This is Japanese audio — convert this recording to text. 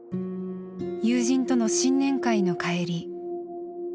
友人との新年会の帰り。